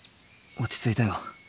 落ち着いたよ。